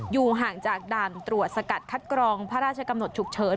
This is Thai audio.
อยู่ห่างจากด่านตรวจสกัดคัดกรองพระราชกำหนดฉุกเฉิน